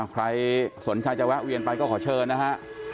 ใครสนใจจะแวะเวียนไปก็ขอเชิญนะฮะ